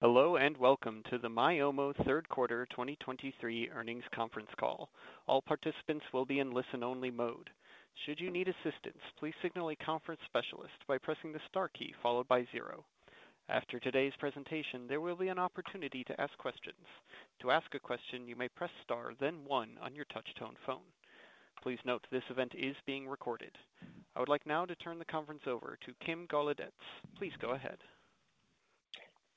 Hello, and welcome to the Myomo Q3 2023 earnings conference call. All participants will be in listen-only mode. Should you need assistance, please signal a conference specialist by pressing the star key followed by zero. After today's presentation, there will be an opportunity to ask questions. To ask a question, you may press star, then one on your touchtone phone. Please note, this event is being recorded. I would like now to turn the conference over to Kim Golodetz. Please go ahead.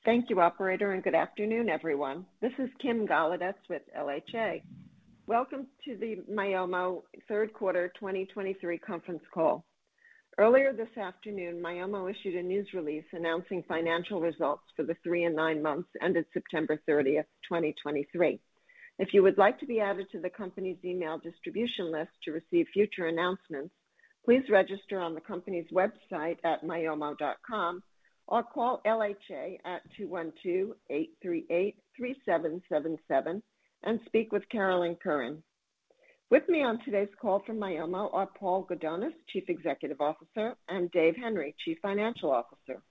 Thank you, operator, and good afternoon, everyone. This is Kim Golodetz with LHA. Welcome to the Myomo Q3 2023 conference call. Earlier this afternoon, Myomo issued a news release announcing financial results for the three and nine months ended September 30, 2023. If you would like to be added to the company's email distribution list to receive future announcements, please register on the company's website at myomo.com or call LHA at 212-838-3777 and speak with Carolyn Curran. With me on today's call from Myomo are Paul Gudonis, Chief Executive Officer, and Dave Henry, Chief Financial Officer.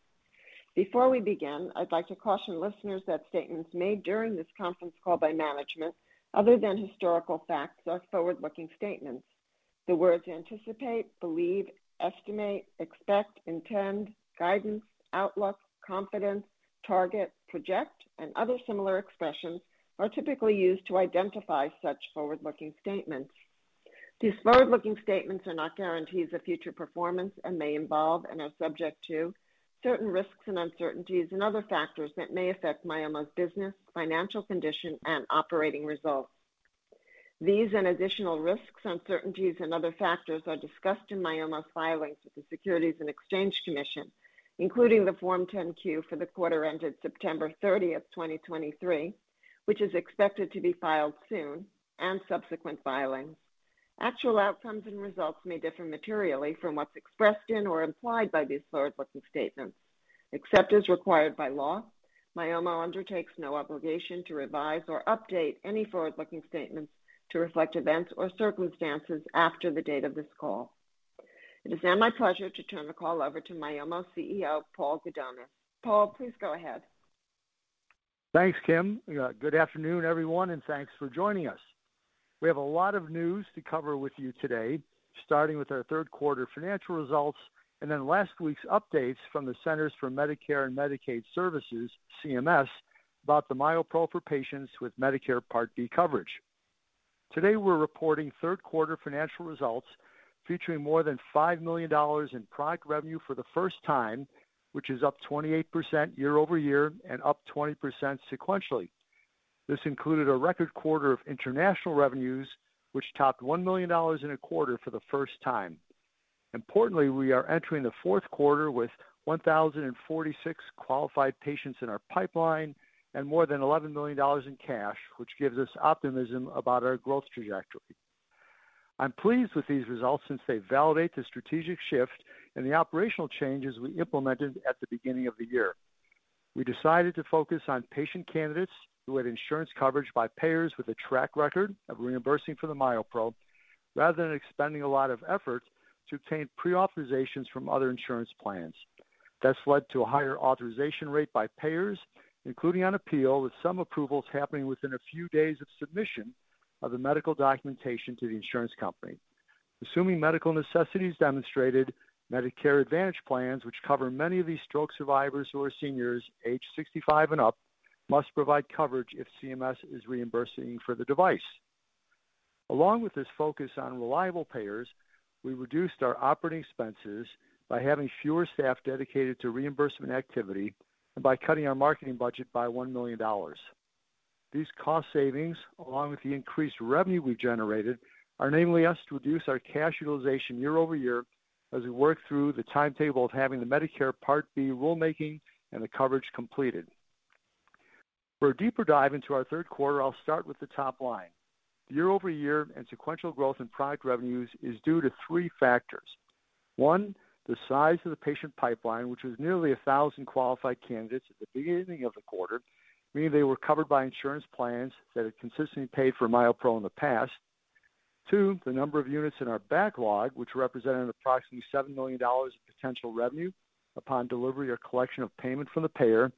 Before we begin, I'd like to caution listeners that statements made during this conference call by management, other than historical facts, are forward-looking statements. The words anticipate, believe, estimate, expect, intend, guidance, outlook, confidence, target, project, and other similar expressions are typically used to identify such forward-looking statements. These forward-looking statements are not guarantees of future performance and may involve and are subject to certain risks and uncertainties and other factors that may affect Myomo's business, financial condition, and operating results. These and additional risks, uncertainties, and other factors are discussed in Myomo's filings with the Securities and Exchange Commission, including the Form 10-Q for the quarter ended September 30, 2023, which is expected to be filed soon, and subsequent filings. Actual outcomes and results may differ materially from what's expressed in or implied by these forward-looking statements. Except as required by law, Myomo undertakes no obligation to revise or update any forward-looking statements to reflect events or circumstances after the date of this call. It is now my pleasure to turn the call over to Myomo's CEO, Paul Gudonis. Paul, please go ahead. Thanks, Kim. Good afternoon, everyone, and thanks for joining us. We have a lot of news to cover with you today, starting with our Q3 financial results and then last week's updates from the Centers for Medicare and Medicaid Services, CMS, about the MyoPro for patients with Medicare Part B coverage. Today, we're reporting Q3 financial results featuring more than $5 million in product revenue for the first time, which is up 28% year-over-year and up 20% sequentially. This included a record quarter of international revenues, which topped $1 million in a quarter for the first time. Importantly, we are entering the Q4 with 1,046 qualified patients in our pipeline and more than $11 million in cash, which gives us optimism about our growth trajectory. I'm pleased with these results since they validate the strategic shift and the operational changes we implemented at the beginning of the year. We decided to focus on patient candidates who had insurance coverage by payers with a track record of reimbursing for the MyoPro, rather than expending a lot of effort to obtain pre-authorizations from other insurance plans. That's led to a higher authorization rate by payers, including on appeal, with some approvals happening within a few days of submission of the medical documentation to the insurance company. Assuming medical necessity is demonstrated, Medicare Advantage plans, which cover many of these stroke survivors who are seniors aged 65 and up, must provide coverage if CMS is reimbursing for the device. Along with this focus on reliable payers, we reduced our operating expenses by having fewer staff dedicated to reimbursement activity and by cutting our marketing budget by $1 million. These cost savings, along with the increased revenue we've generated, are enabling us to reduce our cash utilization year-over-year as we work through the timetable of having the Medicare Part B rulemaking and the coverage completed. For a deeper dive into our Q3, I'll start with the top line. The year-over-year and sequential growth in product revenues is due to 3 factors. 1, the size of the patient pipeline, which was nearly 1,000 qualified candidates at the beginning of the quarter, meaning they were covered by insurance plans that had consistently paid for MyoPro in the past. 2, the number of units in our backlog, which represented approximately $7 million in potential revenue upon delivery or collection of payment from the payer.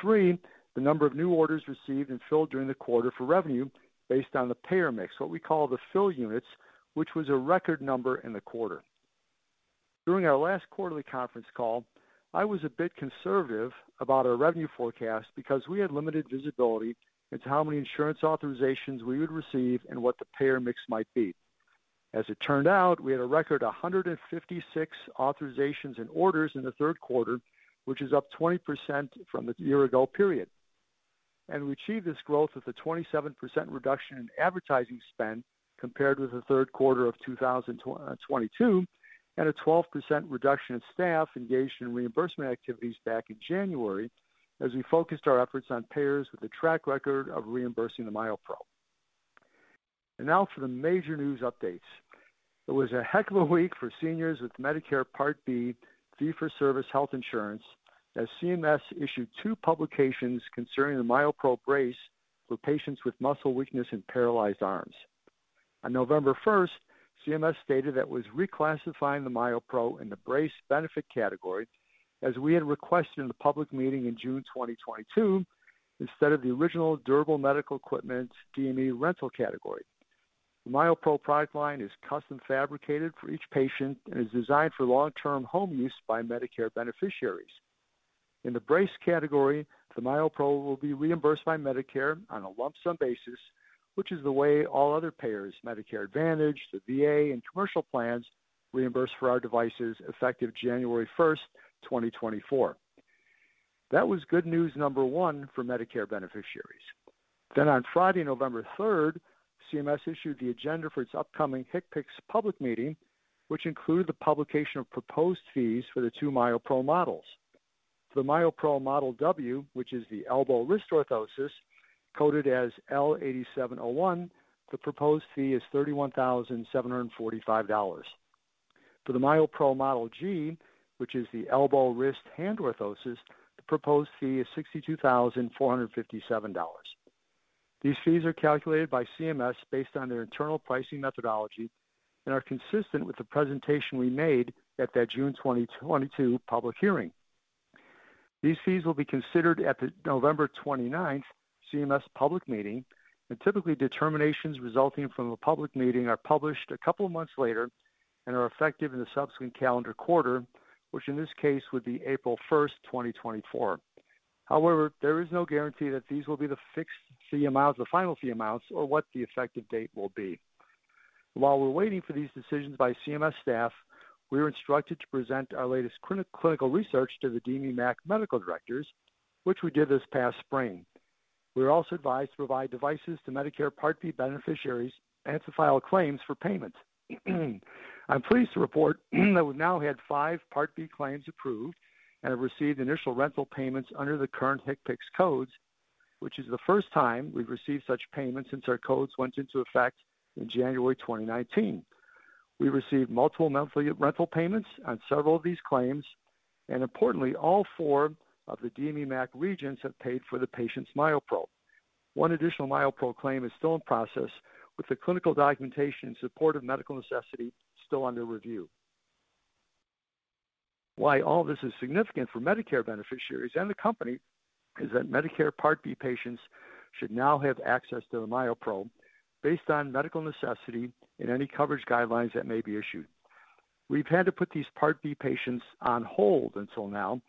Three, the number of new orders received and filled during the quarter for revenue based on the payer mix, what we call the fill units, which was a record number in the quarter. During our last quarterly conference call, I was a bit conservative about our revenue forecast because we had limited visibility into how many insurance authorizations we would receive and what the payer mix might be. As it turned out, we had a record 156 authorizations and orders in the Q3, which is up 20% from the year ago period. We achieved this growth with a 27% reduction in advertising spend compared with the Q3 of 2022, and a 12% reduction in staff engaged in reimbursement activities back in January, as we focused our efforts on payers with a track record of reimbursing the MyoPro. Now for the major news updates. It was a heck of a week for seniors with Medicare Part B, fee-for-service health insurance, as CMS issued two publications concerning the MyoPro brace for patients with muscle weakness and paralyzed arms. On November first, CMS stated that it was reclassifying the MyoPro in the brace benefit category, as we had requested in the public meeting in June 2022, instead of the original Durable Medical Equipment, DME rental category. The MyoPro product line is custom fabricated for each patient and is designed for long-term home use by Medicare beneficiaries. In the brace category, the MyoPro will be reimbursed by Medicare on a lump sum basis, which is the way all other payers, Medicare Advantage, the VA, and commercial plans, reimburse for our devices effective January 1, 2024. That was good news number 1 for Medicare beneficiaries. Then on Friday, November 3, CMS issued the agenda for its upcoming HCPCS Public Meeting, which included the publication of proposed fees for the two MyoPro models. For the MyoPro Model W, which is the elbow-wrist orthosis, coded as L8701, the proposed fee is $31,745. For the MyoPro Model G, which is the elbow-wrist-hand orthosis, the proposed fee is $62,457. These fees are calculated by CMS based on their internal pricing methodology and are consistent with the presentation we made at that June 2022 public hearing. These fees will be considered at the November 29th CMS public meeting, and typically, determinations resulting from a public meeting are published a couple of months later and are effective in the subsequent calendar quarter, which in this case would be April 1, 2024. However, there is no guarantee that these will be the fixed fee amounts, the final fee amounts, or what the effective date will be. While we're waiting for these decisions by CMS staff, we were instructed to present our latest clinical research to the DME MAC medical directors, which we did this past spring. We were also advised to provide devices to Medicare Part B beneficiaries and to file claims for payment. I'm pleased to report that we've now had five Part B claims approved and have received initial rental payments under the current HCPCS codes, which is the first time we've received such payments since our codes went into effect in January 2019. We received multiple monthly rental payments on several of these claims, and importantly, all four of the DME MAC regions have paid for the patient's MyoPro. One additional MyoPro claim is still in process, with the clinical documentation in support of medical necessity still under review. Why all this is significant for Medicare beneficiaries and the company is that Medicare Part B patients should now have access to the MyoPro based on medical necessity and any coverage guidelines that may be issued. We've had to put these Part B patients on hold until now,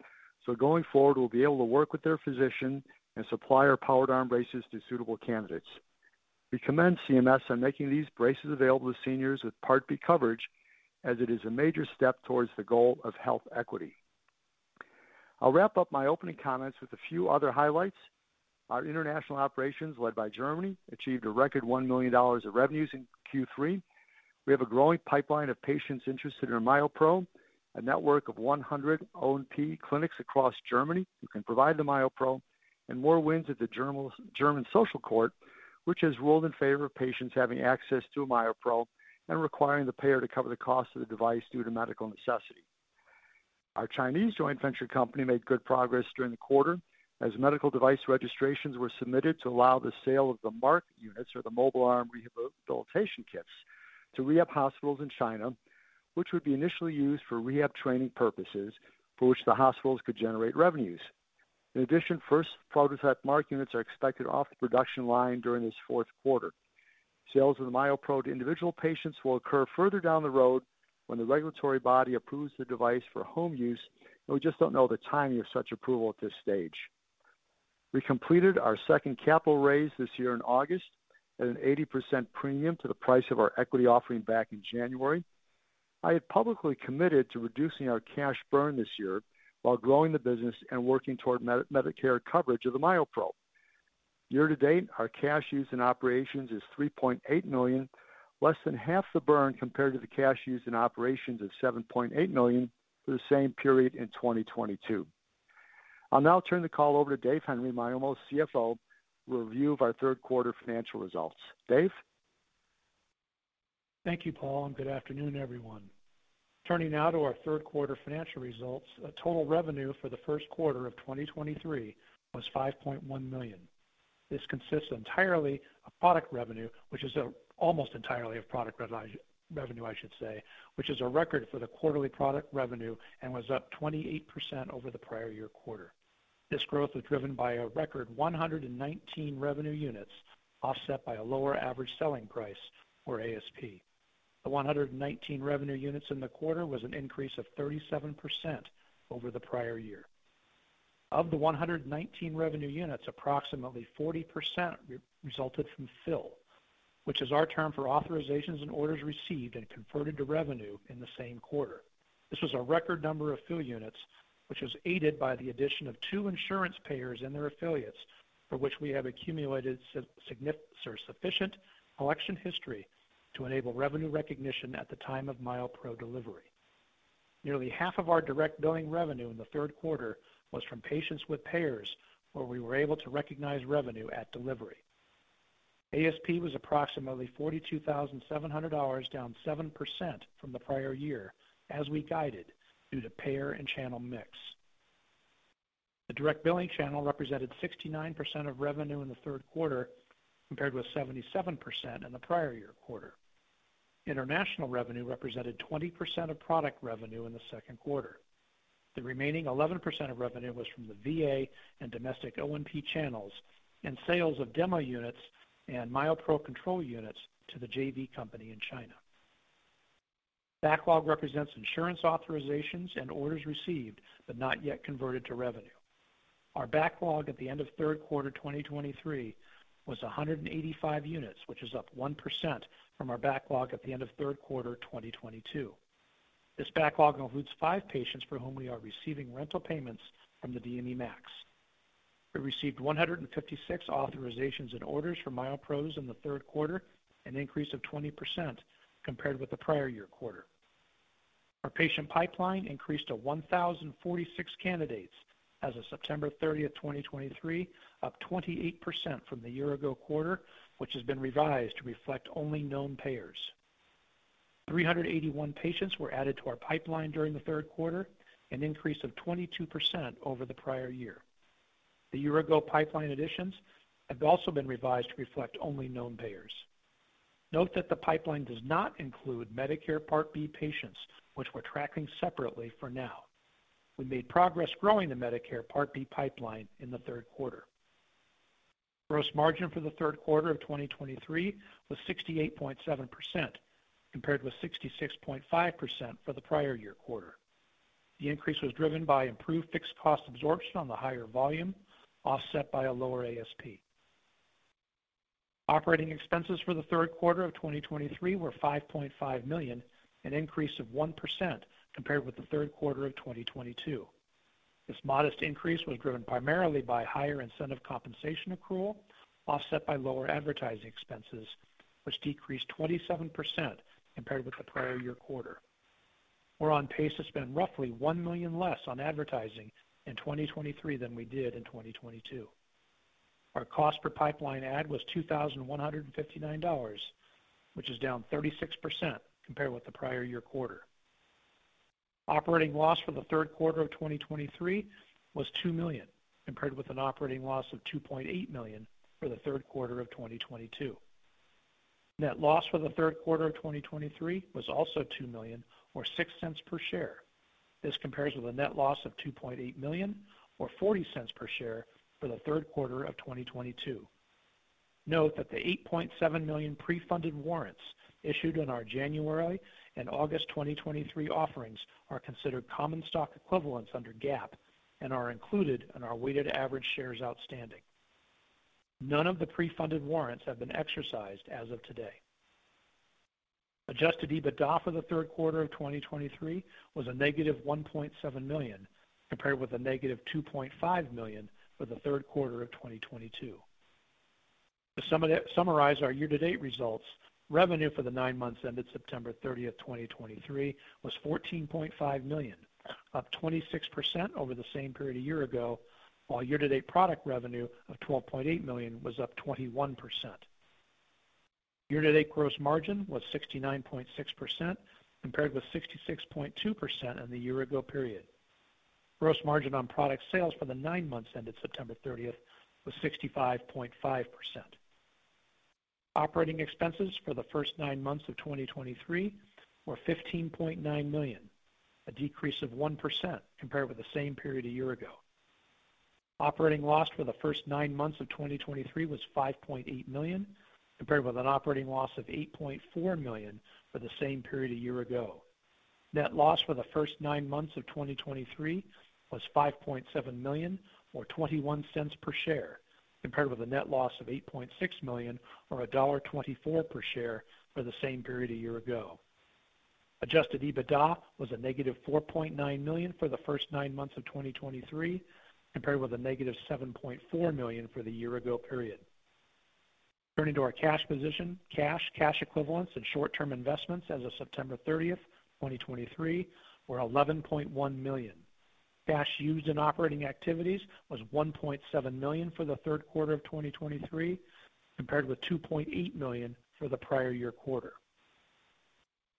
so going forward, we'll be able to work with their physician and supply our powered arm braces to suitable candidates. We commend CMS on making these braces available to seniors with Part B coverage, as it is a major step towards the goal of health equity. I'll wrap up my opening comments with a few other highlights. Our international operations, led by Germany, achieved a record $1 million of revenues in Q3. We have a growing pipeline of patients interested in MyoPro, a network of 100 O&P clinics across Germany who can provide the MyoPro, and more wins at the German Social Court, which has ruled in favor of patients having access to a MyoPro and requiring the payer to cover the cost of the device due to medical necessity. Our Chinese joint venture company made good progress during the quarter as medical device registrations were submitted to allow the sale of the MARK units, or the mobile arm rehabilitation kits, to rehab hospitals in China, which would be initially used for rehab training purposes, for which the hospitals could generate revenues. In addition, first prototype MARK units are expected off the production line during this Q4. Sales of the MyoPro to individual patients will occur further down the road when the regulatory body approves the device for home use, and we just don't know the timing of such approval at this stage. We completed our second capital raise this year in August, at an 80% premium to the price of our equity offering back in January. I had publicly committed to reducing our cash burn this year while growing the business and working toward Medicare coverage of the MyoPro. Year to date, our cash use in operations is $3.8 million, less than half the burn compared to the cash used in operations of $7.8 million for the same period in 2022. I'll now turn the call over to Dave Henry, Myomo's CFO, with a review of our Q3 financial results. Dave? Thank you, Paul, and good afternoon, everyone. Turning now to our Q3 financial results. Total revenue for the Q1 of 2023 was $5.1 million. This consists entirely of product revenue, which is almost entirely of product revenue, I should say, which is a record for the quarterly product revenue and was up 28% over the prior year quarter. This growth was driven by a record 119 revenue units, offset by a lower average selling price, or ASP. The 119 revenue units in the quarter was an increase of 37% over the prior year. Of the 119 revenue units, approximately 40% resulted from fill, which is our term for authorizations and orders received and converted to revenue in the same quarter. This was a record number of fill units, which was aided by the addition of 2 insurance payers and their affiliates, for which we have accumulated sufficient collection history to enable revenue recognition at the time of MyoPro delivery. Nearly half of our direct billing revenue in the Q3 was from patients with payers, where we were able to recognize revenue at delivery. ASP was approximately $42,700, down 7% from the prior year, as we guided due to payer and channel mix. The direct billing channel represented 69% of revenue in the Q3, compared with 77% in the prior year quarter. International revenue represented 20% of product revenue in the Q2. The remaining 11% of revenue was from the VA and domestic O&P channels, and sales of demo units and MyoPro control units to the JV company in China. Backlog represents insurance authorizations and orders received, but not yet converted to revenue. Our backlog at the end of Q3 2023 was 185 units, which is up 1% from our backlog at the end of Q3 2022. This backlog includes five patients for whom we are receiving rental payments from the DME MACs. We received 156 authorizations and orders for MyoPros in the Q3, an increase of 20% compared with the prior-year quarter. Our patient pipeline increased to 1,046 candidates as of September 30, 2023, up 28% from the year-ago quarter, which has been revised to reflect only known payers. 381 patients were added to our pipeline during the Q3, an increase of 22% over the prior year. The year-ago pipeline additions have also been revised to reflect only known payers. Note that the pipeline does not include Medicare Part B patients, which we're tracking separately for now. We made progress growing the Medicare Part B pipeline in the Q3. Gross margin for the Q3 of 2023 was 68.7%, compared with 66.5% for the prior year quarter. The increase was driven by improved fixed cost absorption on the higher volume, offset by a lower ASP. Operating expenses for the Q3 of 2023 were $5.5 million, an increase of 1% compared with the Q3 of 2022. This modest increase was driven primarily by higher incentive compensation accrual, offset by lower advertising expenses, which decreased 27% compared with the prior year quarter. We're on pace to spend roughly $1 million less on advertising in 2023 than we did in 2022. Our cost per pipeline ad was $2,159, which is down 36% compared with the prior year quarter. Operating loss for the Q3 of 2023 was $2 million, compared with an operating loss of $2.8 million for the Q3 of 2022. Net loss for the Q3 of 2023 was also $2 million, or $0.06 per share. This compares with a net loss of $2.8 million, or $0.40 per share for the Q3 of 2022. Note that the 8.7 million pre-funded warrants issued in our January and August 2023 offerings are considered common stock equivalents under GAAP and are included in our weighted average shares outstanding. None of the pre-funded warrants have been exercised as of today. Adjusted EBITDA for the Q3 of 2023 was a negative $1.7 million, compared with a negative $2.5 million for the Q3 of 2022. To summarize our year-to-date results, revenue for the nine months ended September 30, 2023, was $14.5 million, up 26% over the same period a year ago, while year-to-date product revenue of $12.8 million was up 21%. Year-to-date gross margin was 69.6%, compared with 66.2% in the year ago period. Gross margin on product sales for the nine months ended September 30 was 65.5%. Operating expenses for the first nine months of 2023 were $15.9 million, a decrease of 1% compared with the same period a year ago. Operating loss for the first nine months of 2023 was $5.8 million, compared with an operating loss of $8.4 million for the same period a year ago. Net loss for the first nine months of 2023 was $5.7 million, or $0.21 per share, compared with a net loss of $8.6 million or $1.24 per share for the same period a year ago. Adjusted EBITDA was a -$4.9 million for the first nine months of 2023, compared with a -$7.4 million for the year-ago period. Turning to our cash position, cash, cash equivalents and short-term investments as of September 30, 2023, were $11.1 million. Cash used in operating activities was $1.7 million for the Q3 of 2023, compared with $2.8 million for the prior year quarter.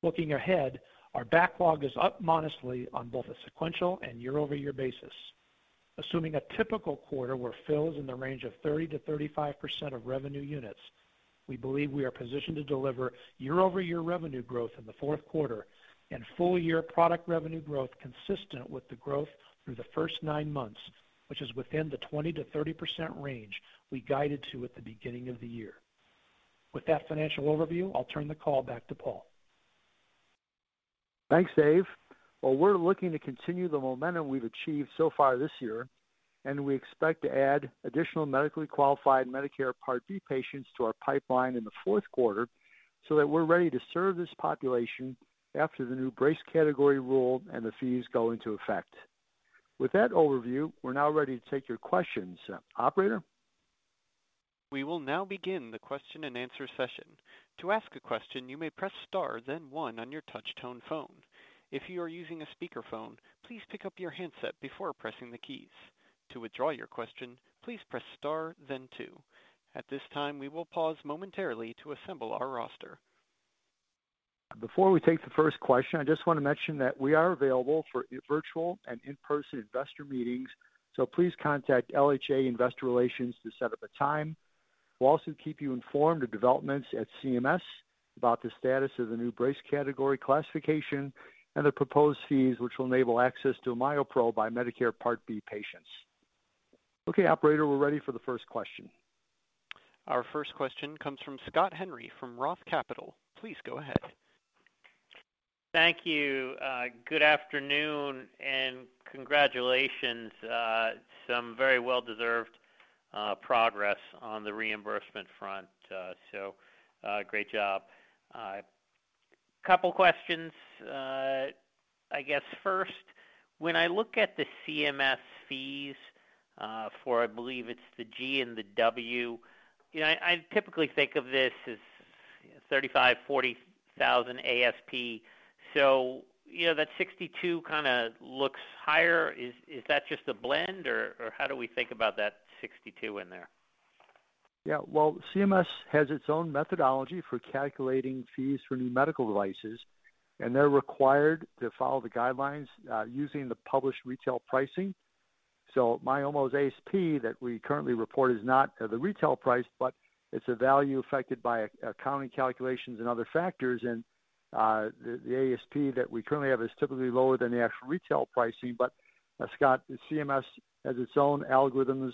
Looking ahead, our backlog is up modestly on both a sequential and year-over-year basis. Assuming a typical quarter were fills in the range of 30%-35% of revenue units, we believe we are positioned to deliver year-over-year revenue growth in the Q4 and full year product revenue growth consistent with the growth through the first nine months, which is within the 20%-30% range we guided to at the beginning of the year. With that financial overview, I'll turn the call back to Paul. Thanks, Dave. Well, we're looking to continue the momentum we've achieved so far this year, and we expect to add additional medically qualified Medicare Part B patients to our pipeline in the Q4, so that we're ready to serve this population after the new brace category rule and the fees go into effect. With that overview, we're now ready to take your questions. Operator? We will now begin the question-and-answer session. To ask a question, you may press star, then one on your touch tone phone. If you are using a speakerphone, please pick up your handset before pressing the keys. To withdraw your question, please press star, then two. At this time, we will pause momentarily to assemble our roster. ... Before we take the first question, I just want to mention that we are available for virtual and in-person investor meetings, so please contact LHA Investor Relations to set up a time. We'll also keep you informed of developments at CMS about the status of the new brace category classification and the proposed fees, which will enable access to MyoPro by Medicare Part B patients. Okay, operator, we're ready for the first question. Our first question comes from Scott Henry, from Roth Capital. Please go ahead. Thank you. Good afternoon and congratulations. Some very well-deserved progress on the reimbursement front. So, great job. Couple questions. I guess first, when I look at the CMS fees, for I believe it's the G and the W, you know, I typically think of this as $35,000-$40,000 ASP. So, you know, that $62,000 kinda looks higher. Is that just a blend, or how do we think about that $62,000 in there? Yeah, well, CMS has its own methodology for calculating fees for new medical devices, and they're required to follow the guidelines using the published retail pricing. So Myomo's ASP that we currently report is not the retail price, but it's a value affected by accounting, calculations, and other factors. And the ASP that we currently have is typically lower than the actual retail pricing. But Scott, the CMS has its own algorithms,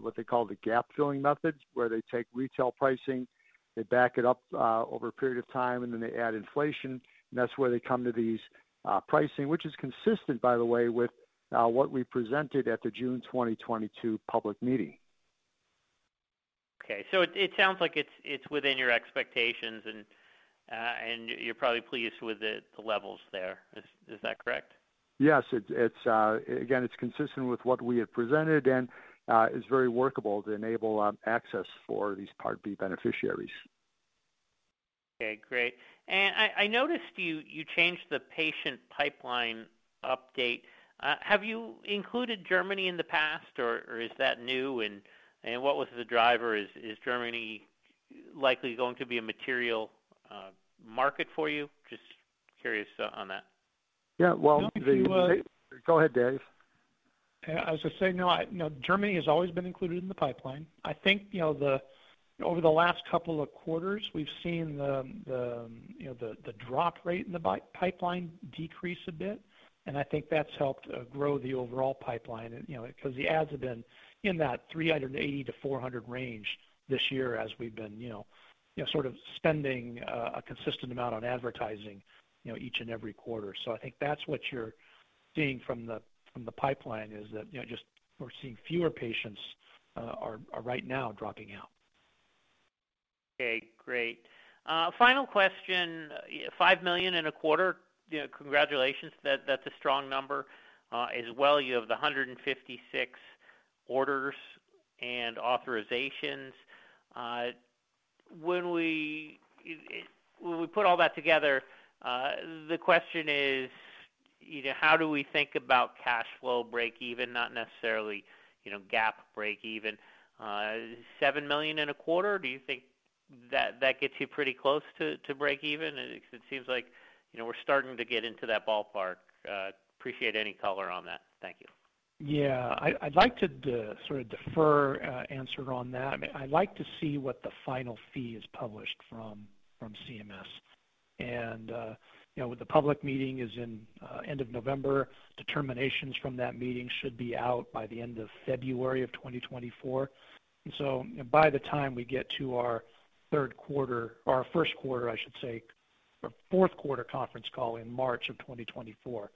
what they call the gap-filling methods, where they take retail pricing, they back it up over a period of time, and then they add inflation. And that's where they come to these pricing, which is consistent, by the way, with what we presented at the June 2022 public meeting. Okay, so it sounds like it's within your expectations and you're probably pleased with the levels there. Is that correct? Yes, it's. Again, it's consistent with what we had presented and is very workable to enable access for these Part B beneficiaries. Okay, great. And I noticed you changed the patient pipeline update. Have you included Germany in the past or is that new? And what was the driver? Is Germany likely going to be a material market for you? Just curious on that. Yeah, well- I think, Go ahead, Dave. I was going to say no, I... You know, Germany has always been included in the pipeline. I think, you know, over the last couple of quarters, we've seen the drop rate in the pipeline decrease a bit, and I think that's helped grow the overall pipeline. You know, because the ads have been in that 300-400 range this year as we've been, you know, sort of spending a consistent amount on advertising, you know, each and every quarter. So I think that's what you're seeing from the pipeline, is that, you know, just we're seeing fewer patients are right now dropping out. Okay, great. Final question, $5 million in a quarter. You know, congratulations, that, that's a strong number. As well, you have the 156 orders and authorizations. When we, when we put all that together, the question is: you know, how do we think about cash flow break even, not necessarily, you know, GAAP break even, $7 million in a quarter? Do you think that, that gets you pretty close to, to break even? It seems like, you know, we're starting to get into that ballpark. Appreciate any color on that. Thank you. Yeah, I'd like to sort of defer answer on that. I'd like to see what the final fee is published from CMS. And, you know, with the public meeting is in end of November. Determinations from that meeting should be out by the end of February of 2024. So by the time we get to our Q3, or our Q1, I should say, or Q4 conference call in March of 2024,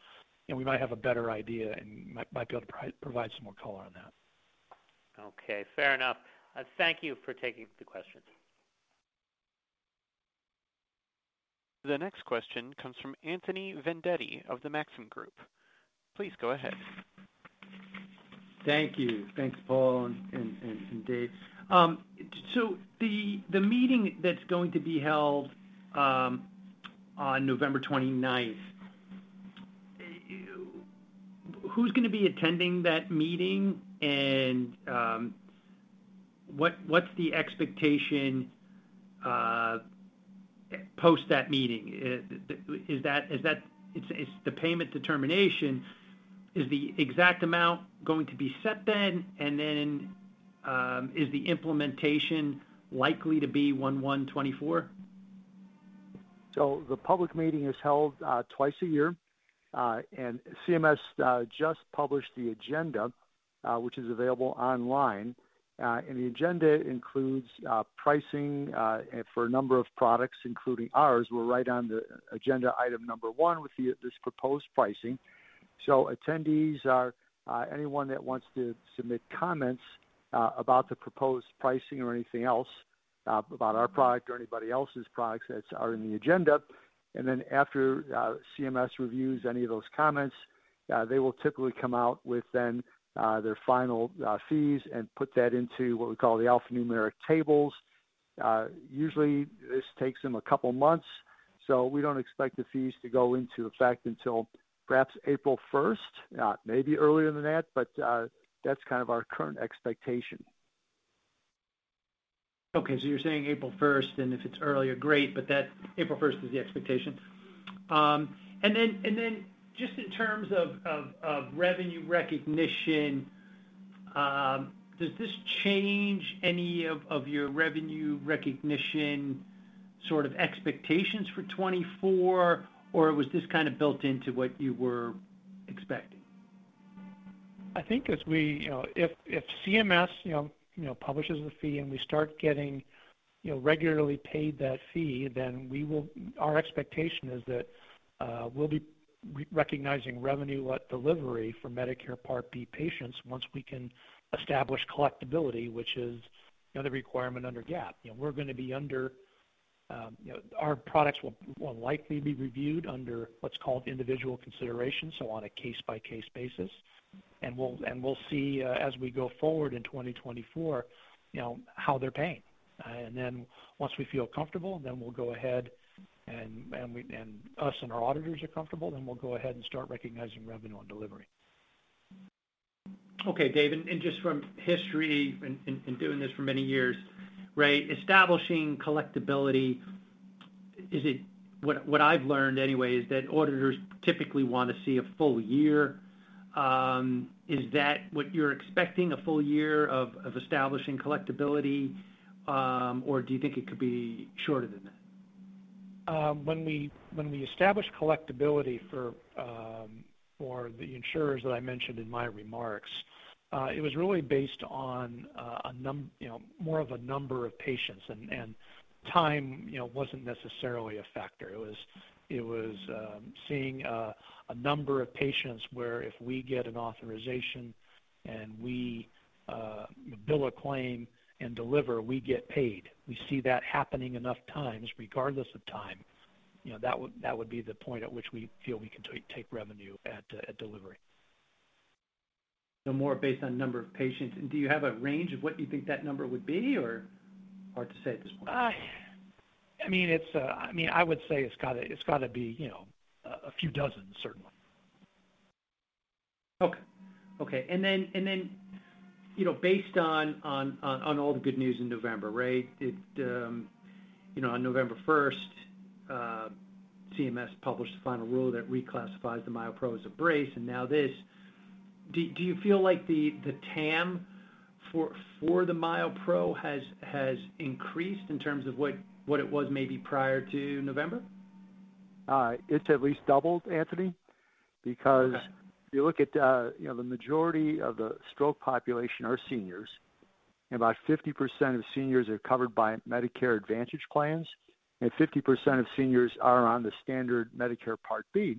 and we might have a better idea and might be able to provide some more color on that. Okay, fair enough. Thank you for taking the question. The next question comes from Anthony Vendetti of the Maxim Group. Please go ahead. Thank you. Thanks, Paul and Dave. So the meeting that's going to be held on November twenty-ninth, who's going to be attending that meeting? And what's the expectation post that meeting? Is that... It's the payment determination, is the exact amount going to be set then? And then, is the implementation likely to be 1/1/2024? The public meeting is held twice a year. CMS just published the agenda, which is available online. The agenda includes pricing for a number of products, including ours. We're right on the agenda item number 1 with this proposed pricing. Attendees are anyone that wants to submit comments about the proposed pricing or anything else about our product or anybody else's products that are in the agenda. Then after CMS reviews any of those comments, they will typically come out with their final fees and put that into what we call the alphanumeric tables. Usually, this takes them a couple of months, so we don't expect the fees to go into effect until perhaps April first, maybe earlier than that, but that's kind of our current expectation. ... Okay, so you're saying April first, and if it's earlier, great, but that April first is the expectation. And then just in terms of revenue recognition, does this change any of your revenue recognition sort of expectations for 2024, or was this kind of built into what you were expecting? I think as we, you know, if CMS, you know, publishes the fee and we start getting, you know, regularly paid that fee, then we will. Our expectation is that we'll be re-recognizing revenue at delivery for Medicare Part B patients once we can establish collectibility, which is, you know, the requirement under GAAP. You know, we're going to be under, you know, our products will likely be reviewed under what's called individual consideration, so on a case-by-case basis. And we'll see as we go forward in 2024, you know, how they're paying. And then once we feel comfortable, then we'll go ahead and we and our auditors are comfortable, then we'll go ahead and start recognizing revenue on delivery. Okay, Dave, and just from history and doing this for many years, right, establishing collectibility, is it... What I've learned anyway is that auditors typically want to see a full year. Is that what you're expecting, a full year of establishing collectibility, or do you think it could be shorter than that? When we established collectibility for the insurers that I mentioned in my remarks, it was really based on, you know, more of a number of patients. Time, you know, wasn't necessarily a factor. It was seeing a number of patients where if we get an authorization and we bill a claim and deliver, we get paid. We see that happening enough times, regardless of time, you know, that would be the point at which we feel we can take revenue at delivery. More based on number of patients. Do you have a range of what you think that number would be, or hard to say at this point? I mean, I would say it's got to be, you know, a few dozen, certainly. Okay. Okay, and then, you know, based on all the good news in November, right? It, you know, on November first, CMS published a final rule that reclassifies the MyoPro as a brace, and now this. Do you feel like the TAM for the MyoPro has increased in terms of what it was maybe prior to November? It's at least doubled, Anthony, because- Okay... if you look at, you know, the majority of the stroke population are seniors, and about 50% of seniors are covered by Medicare Advantage plans, and 50% of seniors are on the standard Medicare Part B.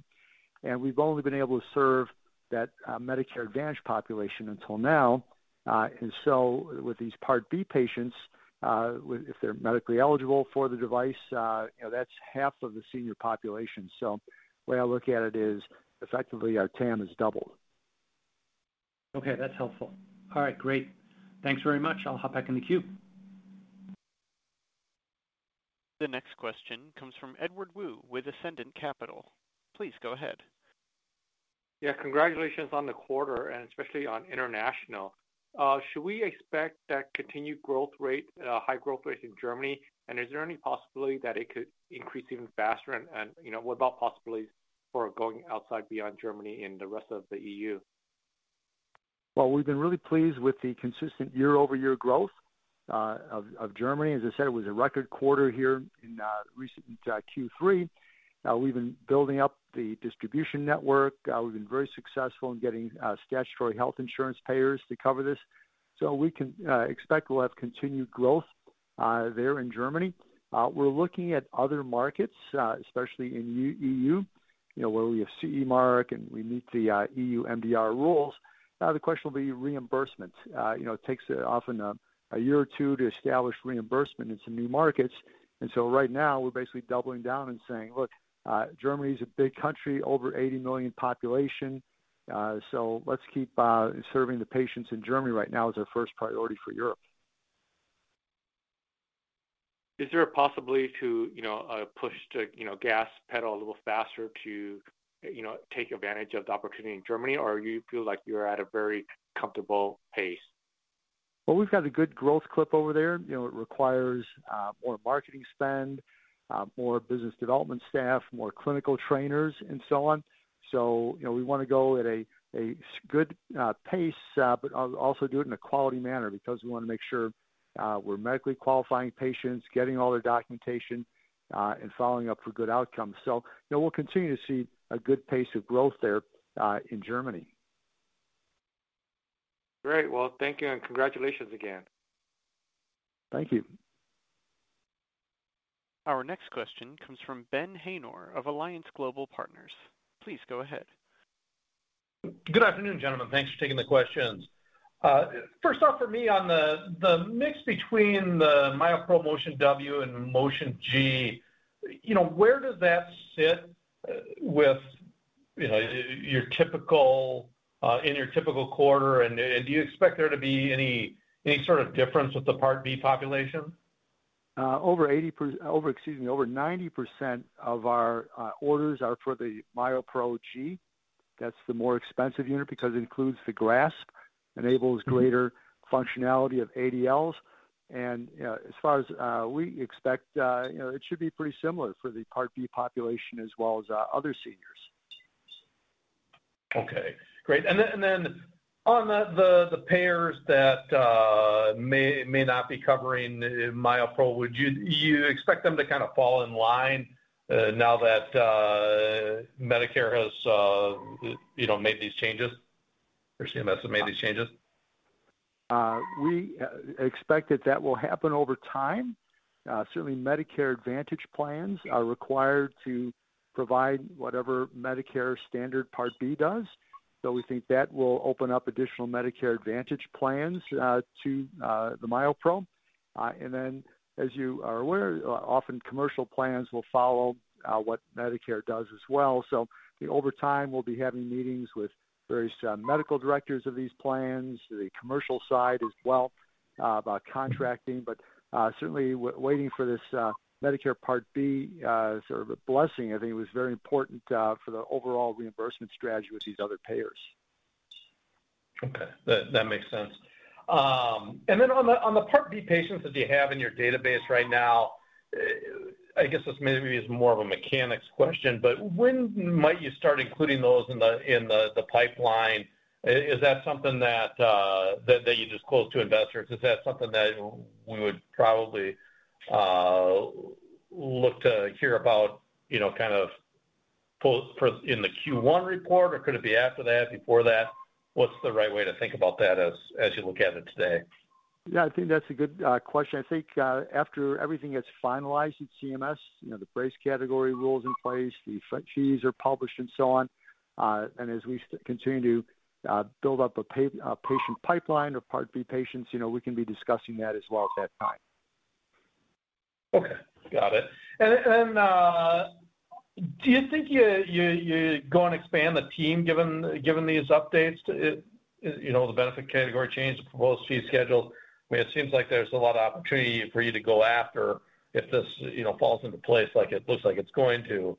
And we've only been able to serve that, Medicare Advantage population until now. And so with these Part B patients, if they're medically eligible for the device, you know, that's half of the senior population. So the way I look at it is effectively, our TAM is doubled. Okay, that's helpful. All right, great. Thanks very much. I'll hop back in the queue. The next question comes from Edward Woo with Ascendiant Capital. Please go ahead. Yeah, congratulations on the quarter and especially on international. Should we expect that continued growth rate, high growth rate in Germany, and is there any possibility that it could increase even faster? And, you know, what about possibilities for going outside beyond Germany and the rest of the EU? Well, we've been really pleased with the consistent year-over-year growth of Germany. As I said, it was a record quarter here in recent Q3. We've been building up the distribution network. We've been very successful in getting statutory health insurance payers to cover this. So we can expect we'll have continued growth there in Germany. We're looking at other markets, especially in EU, you know, where we have CE Mark, and we meet the EU MDR rules. The question will be reimbursement. You know, it takes often a year or two to establish reimbursement in some new markets. And so right now, we're basically doubling down and saying, "Look, Germany is a big country, over 80 million population, so let's keep serving the patients in Germany right now as our first priority for Europe. Is there a possibility to, you know, push the, you know, gas pedal a little faster to, you know, take advantage of the opportunity in Germany? Or you feel like you're at a very comfortable pace? Well, we've got a good growth clip over there. You know, it requires more marketing spend, more business development staff, more clinical trainers, and so on. So, you know, we want to go at a good pace, but also do it in a quality manner because we want to make sure we're medically qualifying patients, getting all their documentation, and following up for good outcomes. So, you know, we'll continue to see a good pace of growth there in Germany. Great. Well, thank you and congratulations again. Thank you. Our next question comes from Ben Haynor of Alliance Global Partners. Please go ahead. Good afternoon, gentlemen. Thanks for taking the questions. First off, for me, on the mix between the MyoPro Motion W and Motion G, you know, where does that sit with, you know, your typical in your typical quarter? And do you expect there to be any sort of difference with the Part B population?... over 90% of our orders are for the MyoPro G. That's the more expensive unit because it includes the grasp, enables greater functionality of ADLs. And, as far as, we expect, you know, it should be pretty similar for the Part B population as well as, other seniors. Okay, great. And then on the payers that may not be covering MyoPro, would you expect them to kind of fall in line now that Medicare has you know made these changes or CMS has made these changes? We expect that that will happen over time. Certainly Medicare Advantage plans are required to provide whatever Medicare Part B does, so we think that will open up additional Medicare Advantage plans to the MyoPro. And then, as you are aware, often commercial plans will follow what Medicare does as well. So over time, we'll be having meetings with various medical directors of these plans, the commercial side as well, about contracting. But certainly we're waiting for this Medicare Part B sort of a blessing. I think it was very important for the overall reimbursement strategy with these other payers. Okay, that makes sense. And then on the Part B patients that you have in your database right now, I guess this maybe is more of a mechanics question, but when might you start including those in the pipeline? Is that something that you disclose to investors? Is that something that we would probably look to hear about, you know, kind of for in the Q1 report, or could it be after that, before that? What's the right way to think about that as you look at it today? Yeah, I think that's a good question. I think, after everything gets finalized at CMS, you know, the brace category rules in place, the fees are published, and so on, and as we continue to build up a patient pipeline or Part B patients, you know, we can be discussing that as well at that time. Okay, got it. Do you think you go and expand the team, given these updates? You know, the benefit category changes, the proposed fee schedule? I mean, it seems like there's a lot of opportunity for you to go after if this, you know, falls into place like it looks like it's going to.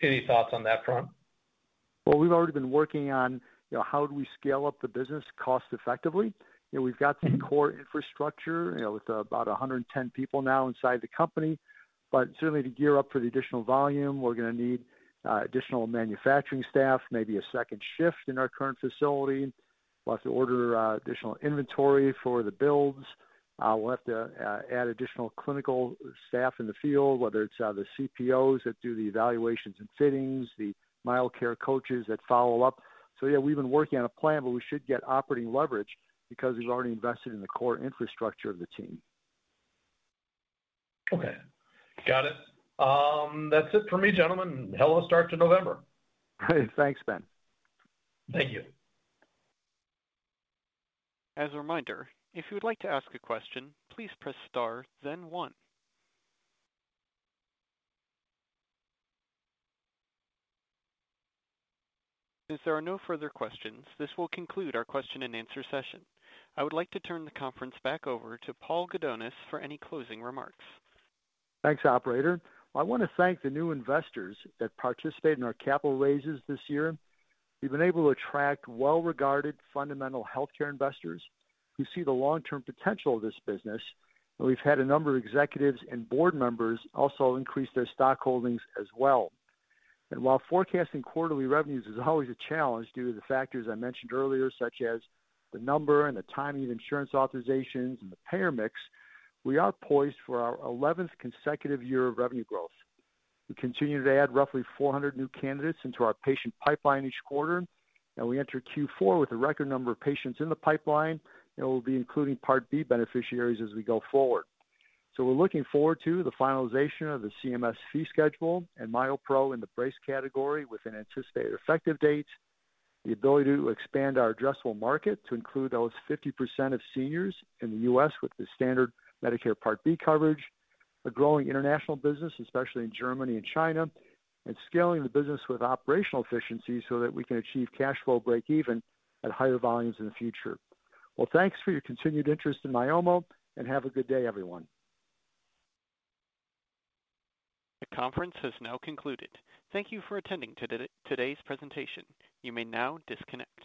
Any thoughts on that front? Well, we've already been working on, you know, how do we scale up the business cost effectively? You know, we've got the core infrastructure, you know, with about 110 people now inside the company. But certainly to gear up for the additional volume, we're going to need additional manufacturing staff, maybe a second shift in our current facility. We'll have to order additional inventory for the builds. We'll have to add additional clinical staff in the field, whether it's the CPOs that do the evaluations and fittings, the MyoCare coaches that follow up. So yeah, we've been working on a plan, but we should get operating leverage because we've already invested in the core infrastructure of the team. Okay, got it. That's it for me, gentlemen. Hell of a start to November. Thanks, Ben. Thank you. As a reminder, if you would like to ask a question, please press star, then one. As there are no further questions, this will conclude our question and answer session. I would like to turn the conference back over to Paul Gudonis for any closing remarks. Thanks, operator. I want to thank the new investors that participated in our capital raises this year. We've been able to attract well-regarded fundamental healthcare investors who see the long-term potential of this business, and we've had a number of executives and board members also increase their stock holdings as well. While forecasting quarterly revenues is always a challenge due to the factors I mentioned earlier, such as the number and the timing of insurance authorizations and the payer mix, we are poised for our eleventh consecutive year of revenue growth. We continue to add roughly 400 new candidates into our patient pipeline each quarter, and we enter Q4 with a record number of patients in the pipeline, and we'll be including Part B beneficiaries as we go forward. So we're looking forward to the finalization of the CMS fee schedule and MyoPro in the brace category with an anticipated effective date, the ability to expand our addressable market to include those 50% of seniors in the U.S. with the standard Medicare Part B coverage, a growing international business, especially in Germany and China, and scaling the business with operational efficiency so that we can achieve cash flow break even at higher volumes in the future. Well, thanks for your continued interest in Myomo, and have a good day, everyone. The conference has now concluded. Thank you for attending today, today's presentation. You may now disconnect.